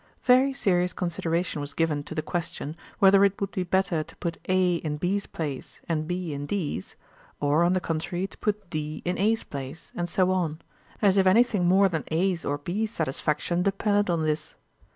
Very serious consideration was given to the question whether it would be better to put A in B's place and B in D's, or on the contrary to put D in A's place, and so on—as if anything more than A's or B's satisfaction depended on this.